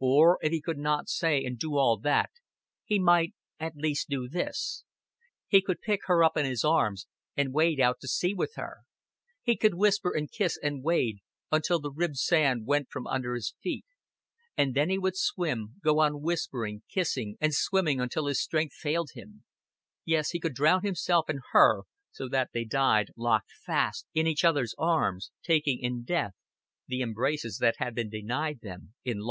Or if he could not say and do all that, he might at least do this. He could pick her up in his arms and wade out to sea with her; he could whisper and kiss and wade until the ribbed sand went from under his feet; and then he would swim, go on whispering, kissing, and swimming until his strength failed him yes, he could drown himself and her, so that they died locked fast in each other's arms, taking in death the embraces that had been denied them in life.